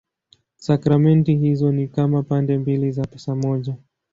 Sakramenti hizo ni kama pande mbili za pesa moja.